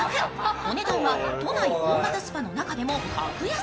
お値段は都内大型スパの中でも格安。